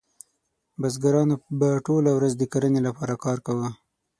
بزګرانو به ټوله ورځ د کرنې لپاره کار کاوه.